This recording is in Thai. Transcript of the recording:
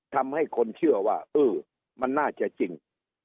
ทำให้คนเชื่อว่าเออมันน่าจะจริง